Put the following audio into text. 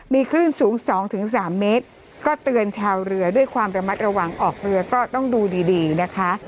มีคลื่นสูง๒๓เมตรก็เตือนชาวเรือด้วยความระมัดระวังออกเรือก็ต้องดูดีดีนะคะ